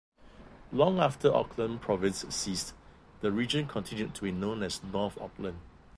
Long after Auckland Province ceased, the region continued to be known as North Auckland.